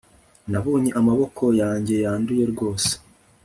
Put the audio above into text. nabonye amaboko yanjye yanduye rwose